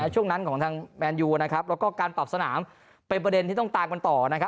ช่วงนั้นของทางแมนยูนะครับแล้วก็การปรับสนามเป็นประเด็นที่ต้องตามกันต่อ